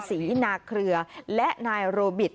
ศรีนาเครือและนายโรบิต